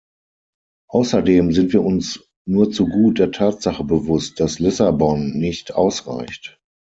Außerdem sind wir uns nur zu gut der Tatsache bewusst, dass Lissabon nicht ausreicht.